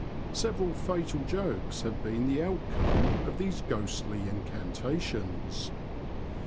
Several fatal jokes have been the outcome of these ghostly incantations.